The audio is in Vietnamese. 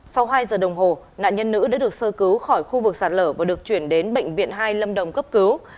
sau hai giờ đồng hồ nạn nhân nữ đã được sơ cứu khỏi khu vực sạt lở và được chuyển đến bệnh viện hai lâm đồng cấp cứu